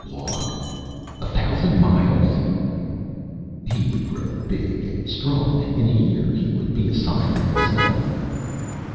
Walk? A thousand miles? He would grow big and strong. In a year, he would be a sire himself.